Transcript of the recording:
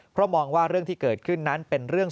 เพราะมองว่าเรื่องที่เกิดขึ้นนั้นเป็นเรื่อง